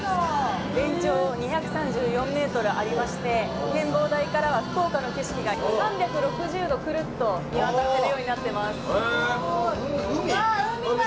全長２３４ｍありまして展望台からは福岡の景色が３６０度クルッと見渡せるようになってます。